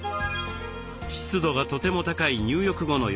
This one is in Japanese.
湿度がとても高い入浴後の浴室。